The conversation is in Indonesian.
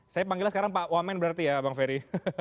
saya panggilnya sekarang pak wamen berarti ya bang ferry